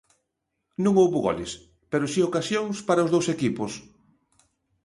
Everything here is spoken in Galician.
Non houbo goles pero si ocasións para os dous equipos.